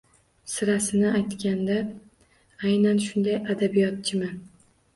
Sirasini aytganda aynan shunday adabiyotchiman.